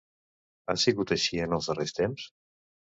Ha sigut així en els darrers temps?